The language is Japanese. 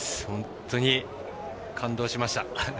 本当に感動しました。